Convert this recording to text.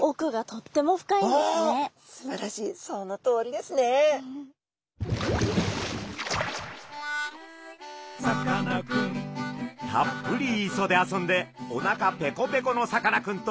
たっぷり磯で遊んでおなかペコペコのさかなクンとシャーク香音さん。